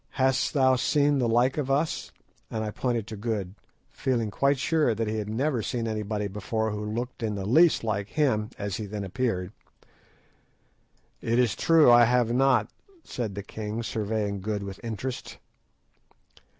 Hast thou seen the like of us?" and I pointed to Good, feeling quite sure that he had never seen anybody before who looked in the least like him as he then appeared. "It is true, I have not," said the king, surveying Good with interest.